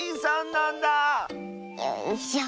よいしょ。